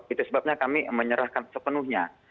itu sebabnya kami menyerahkan sepenuhnya